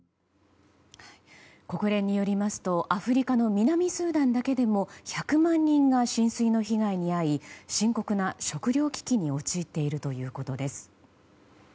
国連によりますとアフリカの南スーダンだけでも１００万人が浸水の被害に遭い深刻な食糧危機に陥っているということです。